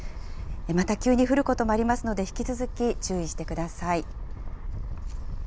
また急に降ることもありますので、引き続き注意してください。